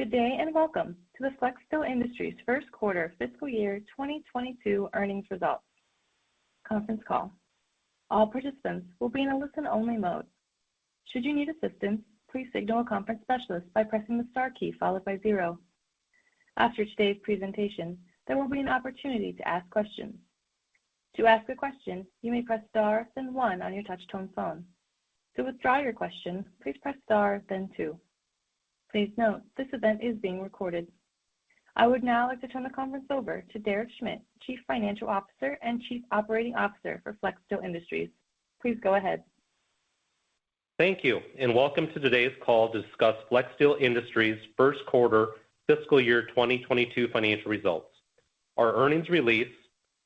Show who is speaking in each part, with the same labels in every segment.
Speaker 1: Good day, and welcome to the Flexsteel Industries' first quarter fiscal year 2022 earnings results conference call. All participants will be in a listen-only mode. Should you need assistance, please signal a conference specialist by pressing the star key followed by zero. After today's presentation, there will be an opportunity to ask questions. To ask a question, you may press star, then one on your touchtone phone. To withdraw your question, please press star, then two. Please note, this event is being recorded. I would now like to turn the conference over to Derek Schmidt, Chief Financial Officer and Chief Operating Officer for Flexsteel Industries. Please go ahead.
Speaker 2: Thank you, and welcome to today's call to discuss Flexsteel Industries' first quarter fiscal year 2022 financial results. Our earnings release,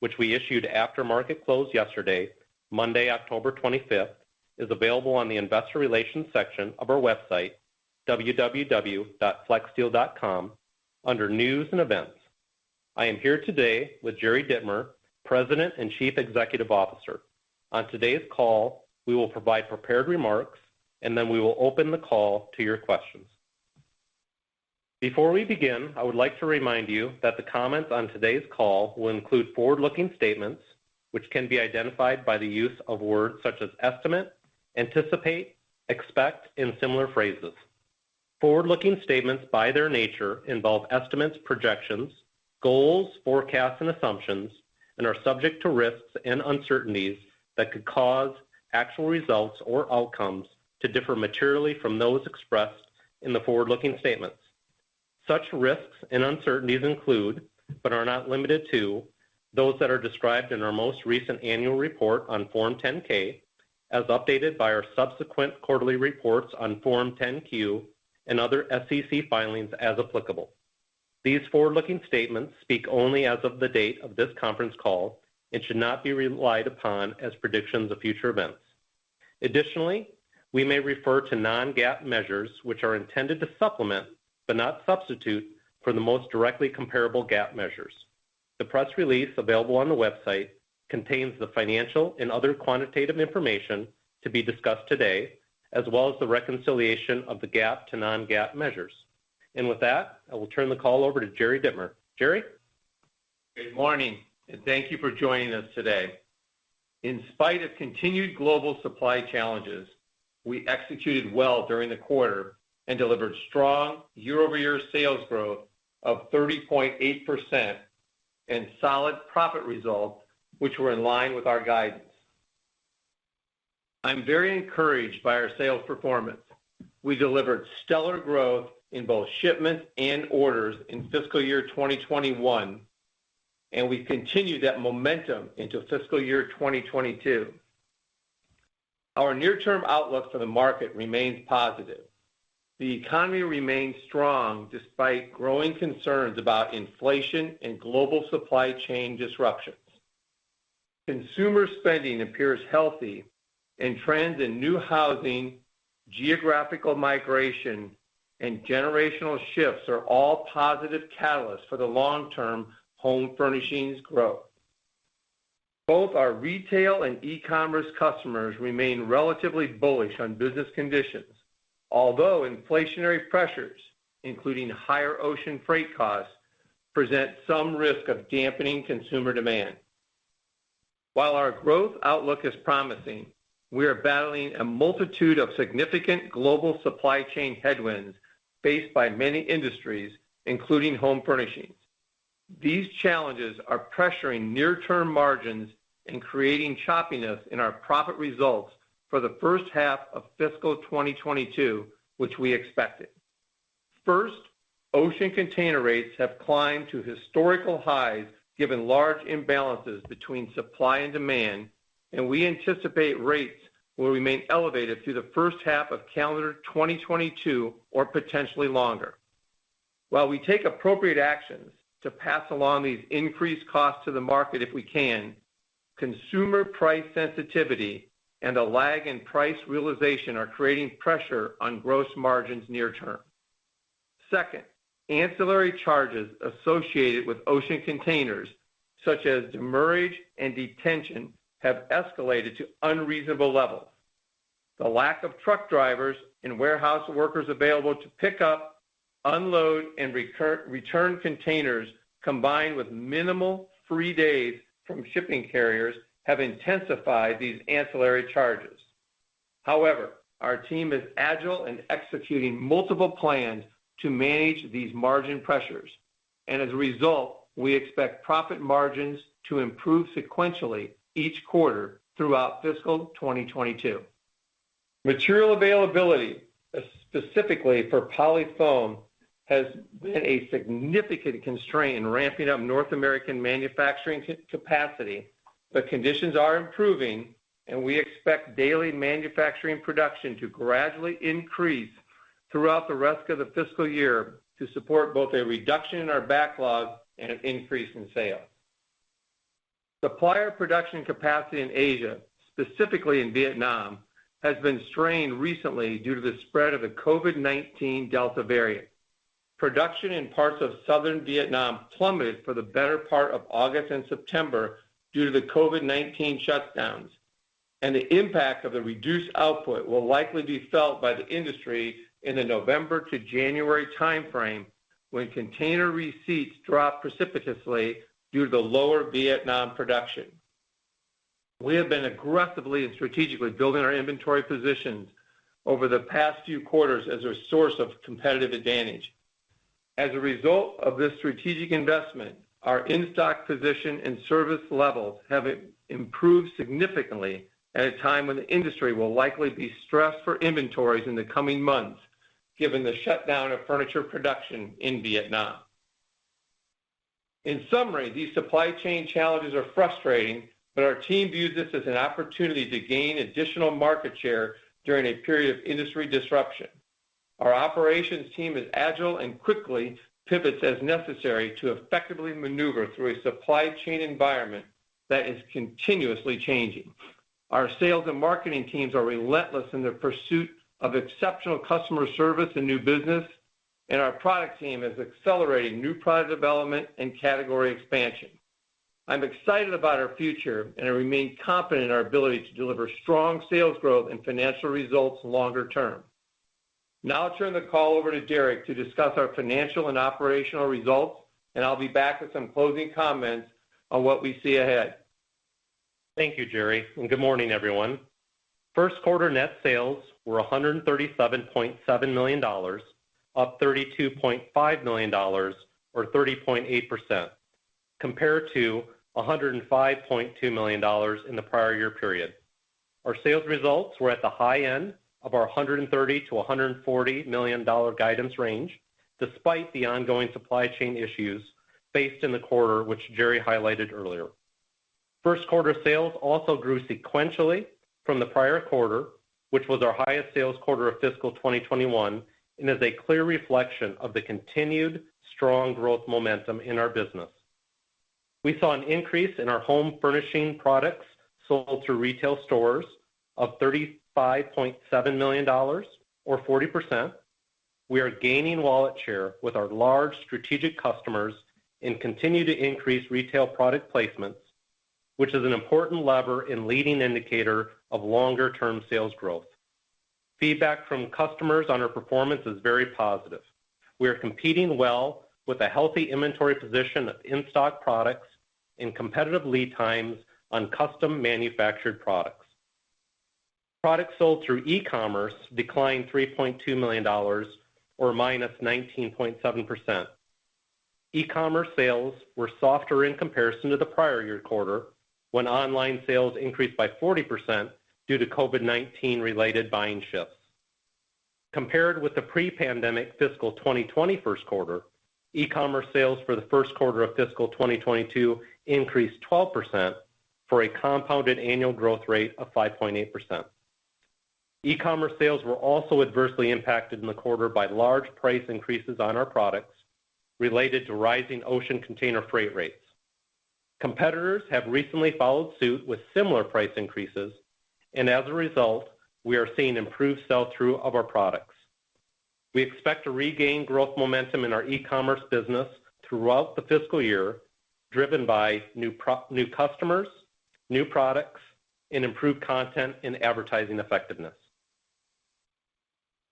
Speaker 2: which we issued after market close yesterday, Monday, October 25th, is available on the investor relations section of our website, www.flexsteel.com, under news and events. I am here today with Jerry Dittmer, President and Chief Executive Officer. On today's call, we will provide prepared remarks, and then we will open the call to your questions. Before we begin, I would like to remind you that the comments on today's call will include forward-looking statements, which can be identified by the use of words such as estimate, anticipate, expect, and similar phrases. Forward-looking statements, by their nature, involve estimates, projections, goals, forecasts, and assumptions, and are subject to risks and uncertainties that could cause actual results or outcomes to differ materially from those expressed in the forward-looking statements. Such risks and uncertainties include, but are not limited to, those that are described in our most recent annual report on Form 10-K, as updated by our subsequent quarterly reports on Form 10-Q, and other SEC filings as applicable. These forward-looking statements speak only as of the date of this conference call and should not be relied upon as predictions of future events. Additionally, we may refer to non-GAAP measures, which are intended to supplement, but not substitute, for the most directly comparable GAAP measures. The press release available on the website contains the financial and other quantitative information to be discussed today, as well as the reconciliation of the GAAP to non-GAAP measures. With that, I will turn the call over to Jerry Dittmer. Jerry?
Speaker 3: Good morning, and thank you for joining us today. In spite of continued global supply challenges, we executed well during the quarter and delivered strong year-over-year sales growth of 30.8% and solid profit results, which were in line with our guidance. I'm very encouraged by our sales performance. We delivered stellar growth in both shipments and orders in fiscal year 2021, and we've continued that momentum into fiscal year 2022. Our near-term outlook for the market remains positive. The economy remains strong despite growing concerns about inflation and global supply chain disruptions. Consumer spending appears healthy, and trends in new housing, geographical migration, and generational shifts are all positive catalysts for the long-term home furnishings growth. Both our retail and e-commerce customers remain relatively bullish on business conditions. Although inflationary pressures, including higher ocean freight costs, present some risk of dampening consumer demand. While our growth outlook is promising, we are battling a multitude of significant global supply chain headwinds faced by many industries, including home furnishings. These challenges are pressuring near-term margins and creating choppiness in our profit results for the first half of fiscal 2022, which we expected. First, ocean container rates have climbed to historical highs given large imbalances between supply and demand, and we anticipate rates will remain elevated through the first half of calendar 2022 or potentially longer. While we take appropriate actions to pass along these increased costs to the market if we can, consumer price sensitivity and a lag in price realization are creating pressure on gross margins near-term. Second, ancillary charges associated with ocean containers, such as demurrage and detention, have escalated to unreasonable levels. The lack of truck drivers and warehouse workers available to pick up, unload, and return containers, combined with minimal free days from shipping carriers, have intensified these ancillary charges. However, our team is agile and executing multiple plans to manage these margin pressures. As a result, we expect profit margins to improve sequentially each quarter throughout fiscal 2022. Material availability, specifically for polyfoam, has been a significant constraint in ramping up North American manufacturing capacity, but conditions are improving, and we expect daily manufacturing production to gradually increase throughout the rest of the fiscal year to support both a reduction in our backlog and an increase in sales. Supplier production capacity in Asia, specifically in Vietnam, has been strained recently due to the spread of the COVID-19 Delta variant. Production in parts of southern Vietnam plummeted for the better part of August and September due to the COVID-19 shutdowns. The impact of the reduced output will likely be felt by the industry in the November to January timeframe, when container receipts drop precipitously due to the lower Vietnam production. We have been aggressively and strategically building our inventory positions over the past few quarters as a source of competitive advantage. As a result of this strategic investment, our in-stock position and service levels have improved significantly at a time when the industry will likely be stressed for inventories in the coming months, given the shutdown of furniture production in Vietnam. In summary, these supply chain challenges are frustrating, but our team views this as an opportunity to gain additional market share during a period of industry disruption. Our operations team is agile and quickly pivots as necessary to effectively maneuver through a supply chain environment that is continuously changing. Our sales and marketing teams are relentless in their pursuit of exceptional customer service and new business, and our product team is accelerating new product development and category expansion. I'm excited about our future, and I remain confident in our ability to deliver strong sales growth and financial results longer term. Now I'll turn the call over to Derek to discuss our financial and operational results, and I'll be back with some closing comments on what we see ahead.
Speaker 2: Thank you, Jerry, and good morning, everyone. First quarter net sales were $137.7 million, up $32.5 million or 30.8%, compared to $105.2 million in the prior year period. Our sales results were at the high end of our $130 million-$140 million guidance range, despite the ongoing supply chain issues faced in the quarter, which Jerry highlighted earlier. First quarter sales also grew sequentially from the prior quarter, which was our highest sales quarter of fiscal 2021 and is a clear reflection of the continued strong growth momentum in our business. We saw an increase in our home furnishing products sold through retail stores of $35.7 million or 40%. We are gaining wallet share with our large strategic customers and continue to increase retail product placements, which is an important lever and leading indicator of longer term sales growth. Feedback from customers on our performance is very positive. We are competing well with a healthy inventory position of in-stock products and competitive lead times on custom manufactured products. Products sold through e-commerce declined $3.2 million, or -19.7%. E-commerce sales were softer in comparison to the prior year quarter, when online sales increased by 40% due to COVID-19 related buying shifts. Compared with the pre-pandemic fiscal 2020 first quarter, e-commerce sales for the first quarter of fiscal 2022 increased 12%, for a compounded annual growth rate of 5.8%. E-commerce sales were also adversely impacted in the quarter by large price increases on our products related to rising ocean container freight rates. Competitors have recently followed suit with similar price increases, and as a result, we are seeing improved sell-through of our products. We expect to regain growth momentum in our e-commerce business throughout the fiscal year, driven by new customers, new products, and improved content and advertising effectiveness.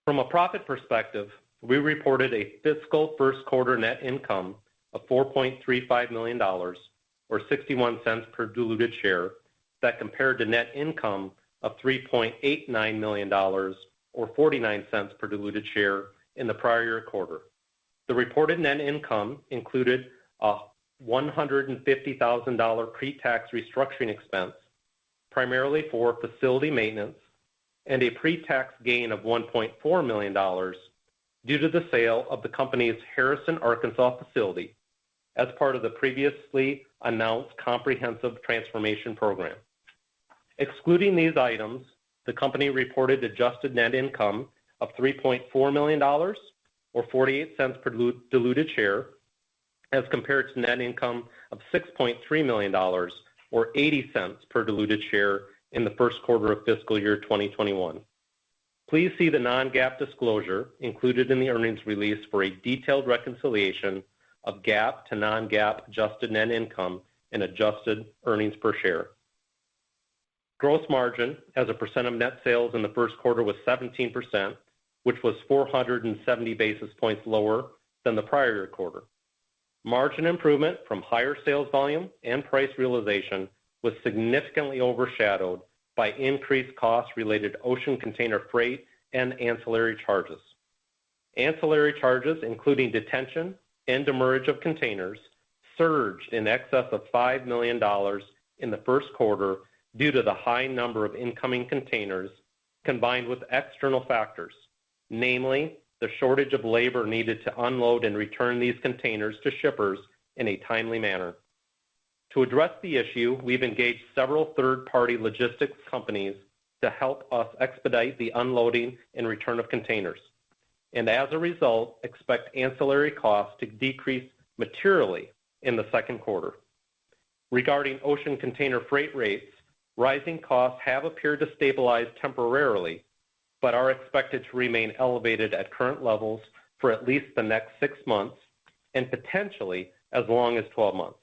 Speaker 2: From a profit perspective, we reported a fiscal first quarter net income of $4.35 million, or $0.61 per diluted share. That compared to net income of $3.89 million or $0.49 per diluted share in the prior year quarter. The reported net income included a $150,000 pre-tax restructuring expense, primarily for facility maintenance, and a pre-tax gain of $1.4 million due to the sale of the company's Harrison, Arkansas facility as part of the previously announced comprehensive transformation program. Excluding these items, the company reported adjusted net income of $3.4 million or $0.48 per diluted share as compared to net income of $6.3 million or $0.80 per diluted share in the first quarter of fiscal year 2021. Please see the non-GAAP disclosure included in the earnings release for a detailed reconciliation of GAAP to non-GAAP adjusted net income and adjusted earnings per share. Gross margin as a percent of net sales in the first quarter was 17%, which was 470 basis points lower than the prior quarter. Margin improvement from higher sales volume and price realization was significantly overshadowed by increased costs related to ocean container freight and ancillary charges. Ancillary charges, including detention and demurrage of containers, surged in excess of $5 million in the first quarter due to the high number of incoming containers, combined with external factors, namely the shortage of labor needed to unload and return these containers to shippers in a timely manner. To address the issue, we've engaged several third-party logistics companies to help us expedite the unloading and return of containers, and as a result, expect ancillary costs to decrease materially in the second quarter. Regarding ocean container freight rates, rising costs have appeared to stabilize temporarily, but are expected to remain elevated at current levels for at least the next six months, and potentially as long as 12 months.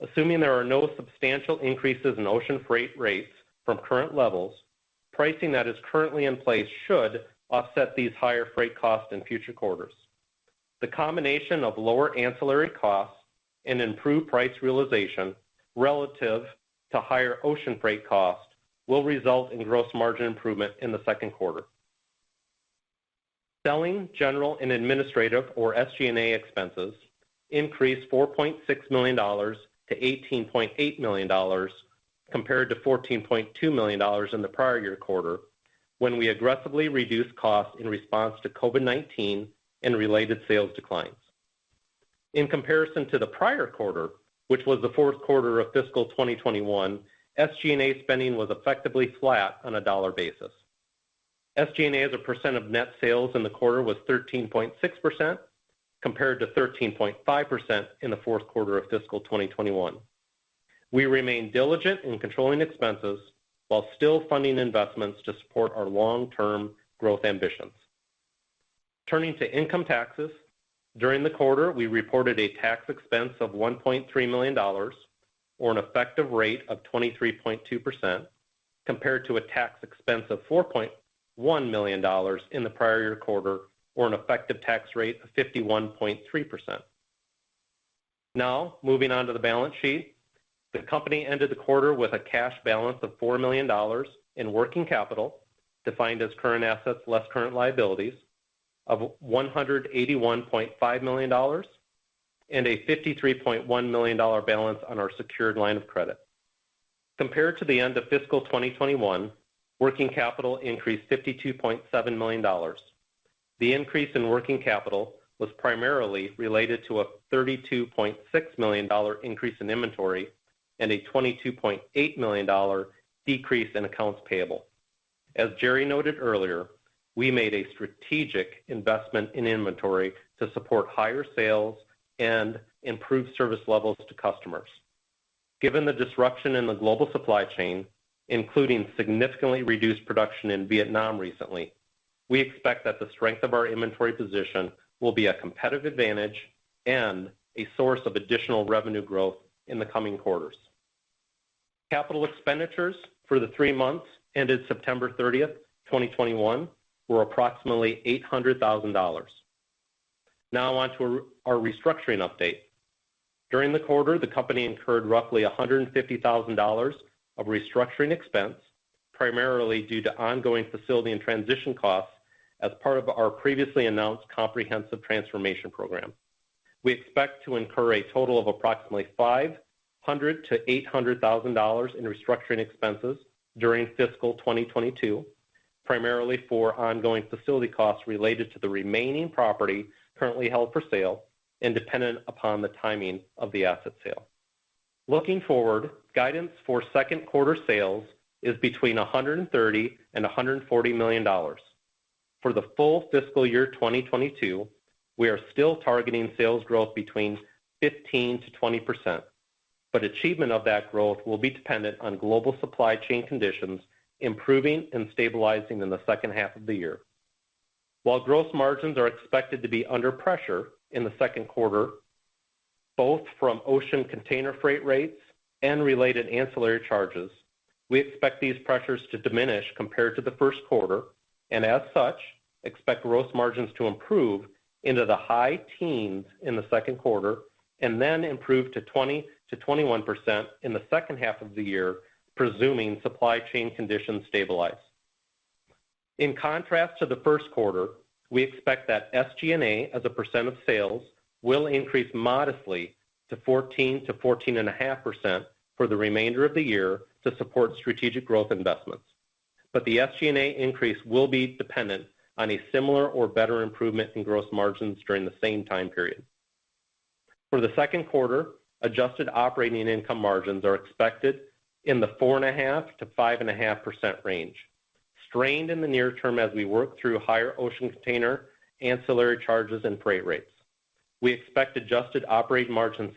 Speaker 2: Assuming there are no substantial increases in ocean freight rates from current levels, pricing that is currently in place should offset these higher freight costs in future quarters. The combination of lower ancillary costs and improved price realization relative to higher ocean freight costs will result in gross margin improvement in the second quarter. Selling, General, and Administrative, or SG&A expenses increased $4.6 million to $18.8 million compared to $14.2 million in the prior year quarter, when we aggressively reduced costs in response to COVID-19 and related sales declines. In comparison to the prior quarter, which was the fourth quarter of fiscal 2021, SG&A spending was effectively flat on a dollar basis. SG&A as a percent of net sales in the quarter was 13.6%, compared to 13.5% in the fourth quarter of fiscal 2021. We remain diligent in controlling expenses while still funding investments to support our long-term growth ambitions. Turning to income taxes. During the quarter, we reported a tax expense of $1.3 million, or an effective rate of 23.2%, compared to a tax expense of $4.1 million in the prior year quarter, or an effective tax rate of 51.3%. Now, moving on to the balance sheet. The company ended the quarter with a cash balance of $4 million and working capital, defined as current assets less current liabilities, of $181.5 million and a $53.1 million balance on our secured line of credit. Compared to the end of fiscal 2021, working capital increased $52.7 million. The increase in working capital was primarily related to a $32.6 million increase in inventory and a $22.8 million decrease in accounts payable. As Jerry noted earlier, we made a strategic investment in inventory to support higher sales and improve service levels to customers. Given the disruption in the global supply chain, including significantly reduced production in Vietnam recently, we expect that the strength of our inventory position will be a competitive advantage and a source of additional revenue growth in the coming quarters. Capital expenditures for the three months ended September 30th, 2021, were approximately $800,000. Now on to our restructuring update. During the quarter, the company incurred roughly $150,000 of restructuring expense, primarily due to ongoing facility and transition costs as part of our previously announced Comprehensive Transformation Program. We expect to incur a total of approximately $500,000-$800,000 in restructuring expenses during fiscal 2022, primarily for ongoing facility costs related to the remaining property currently held for sale and dependent upon the timing of the asset sale. Looking forward, guidance for second quarter sales is between $130 million and $140 million. For the full fiscal year 2022, we are still targeting sales growth between 15%-20%. Achievement of that growth will be dependent on global supply chain conditions improving and stabilizing in the second half of the year. While gross margins are expected to be under pressure in the second quarter, both from ocean container freight rates and related ancillary charges, we expect these pressures to diminish compared to the first quarter, and as such, expect gross margins to improve into the high teens in the second quarter and then improve to 20%-21% in the second half of the year, presuming supply chain conditions stabilize. In contrast to the first quarter, we expect that SG&A as a percent of sales will increase modestly to 14%-14.5% for the remainder of the year to support strategic growth investments. The SG&A increase will be dependent on a similar or better improvement in gross margins during the same time period. For the second quarter, adjusted operating income margins are expected in the 4.5%-5.5% range, strained in the near term as we work through higher ocean container ancillary charges and freight rates. We expect adjusted operating margins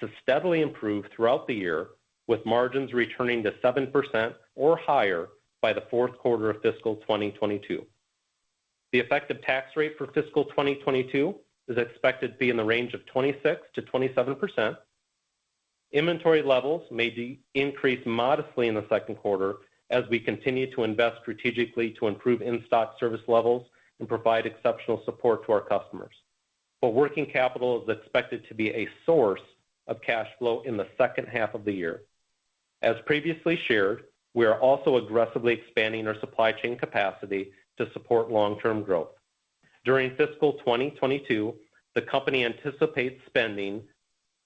Speaker 2: to steadily improve throughout the year, with margins returning to 7% or higher by the fourth quarter of fiscal 2022. The effective tax rate for fiscal 2022 is expected to be in the range of 26%-27%. Inventory levels may increase modestly in the second quarter as we continue to invest strategically to improve in-stock service levels and provide exceptional support to our customers. Working capital is expected to be a source of cash flow in the second half of the year. As previously shared, we are also aggressively expanding our supply chain capacity to support long-term growth. During fiscal 2022, the company anticipates spending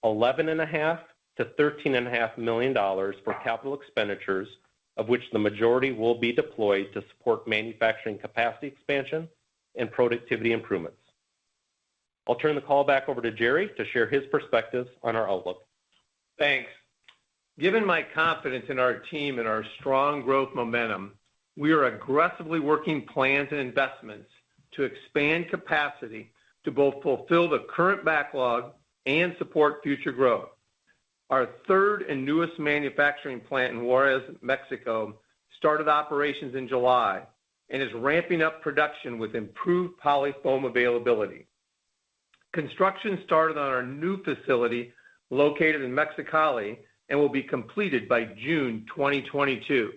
Speaker 2: $11.5 million-$13.5 million for capital expenditures, of which the majority will be deployed to support manufacturing capacity expansion and productivity improvements. I'll turn the call back over to Jerry to share his perspective on our outlook.
Speaker 3: Thanks. Given my confidence in our team and our strong growth momentum, we are aggressively working plans and investments to expand capacity to both fulfill the current backlog and support future growth. Our third and newest manufacturing plant in Juarez, Mexico, started operations in July and is ramping up production with improved polyfoam availability. Construction started on our new facility located in Mexicali and will be completed by June 2022.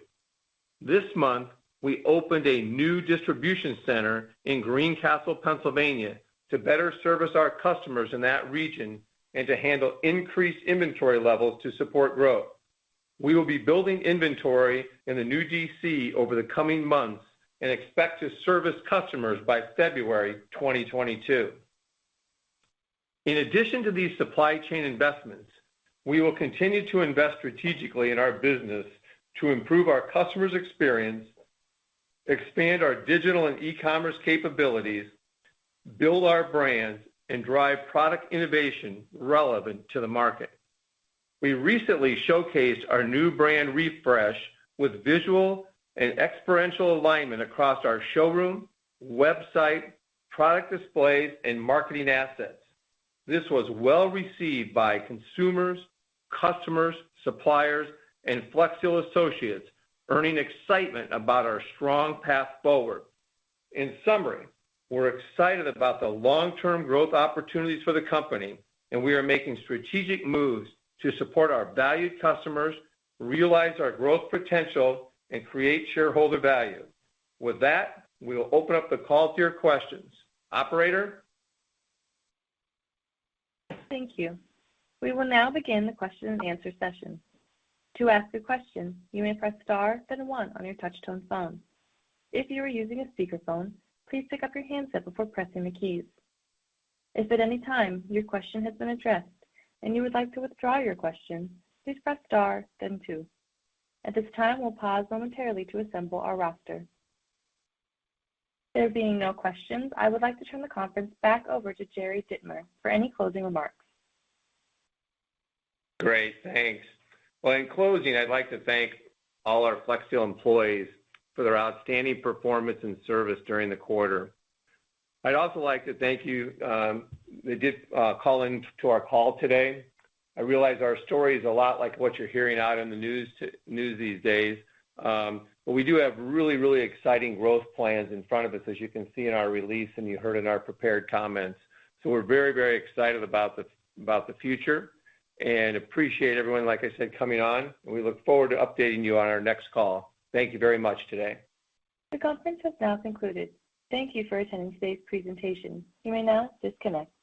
Speaker 3: This month, we opened a new distribution center in Greencastle, Pennsylvania, to better service our customers in that region and to handle increased inventory levels to support growth. We will be building inventory in the new DC over the coming months and expect to service customers by February 2022. In addition to these supply chain investments, we will continue to invest strategically in our business to improve our customers' experience, expand our digital and e-commerce capabilities, build our brands, and drive product innovation relevant to the market. We recently showcased our new brand refresh with visual and experiential alignment across our showroom, website, product displays, and marketing assets. This was well-received by consumers, customers, suppliers, and Flexsteel associates, earning excitement about our strong path forward. In summary, we're excited about the long-term growth opportunities for the company, and we are making strategic moves to support our valued customers, realize our growth potential, and create shareholder value. With that, we will open up the call to your questions. Operator?
Speaker 1: Thank you. We will now begin the question and answer session. To ask the question, you may press star then one on your touchtone phone. If you are using a speaker phone, please pick up your handset before pressing keys. If at any time your question has been addressed and you would like to withdraw your question, please press star then two. At this time, we'll pause momentarily to assemble our roster. There being no questions, I would like to turn the conference back over to Jerry Dittmer for any closing remarks.
Speaker 3: Great, thanks. Well, in closing, I'd like to thank all our Flexsteel employees for their outstanding performance and service during the quarter. I'd also like to thank you that did call in to our call today. I realize our story is a lot like what you're hearing out in the news these days. We do have really exciting growth plans in front of us, as you can see in our release and you heard in our prepared comments. We're very excited about the future and appreciate everyone, like I said, coming on, and we look forward to updating you on our next call. Thank you very much today.
Speaker 1: The conference has now concluded. Thank you for attending today's presentation. You may now disconnect.